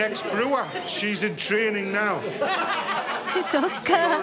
そっか。